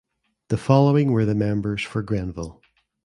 The following were the members for Grenville.